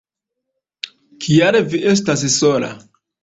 Kial vi restas sola?